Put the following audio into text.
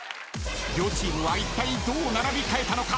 ［両チームはいったいどう並び替えたのか］